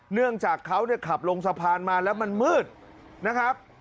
เนื่องจากเขาเนี่ยขับลงสะพานมาแล้วมันมืดนะครับ